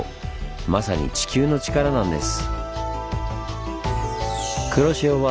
まさに地球のチカラなんです。